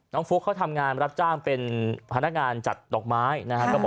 ฟุ๊กเขาทำงานรับจ้างเป็นพนักงานจัดดอกไม้นะครับ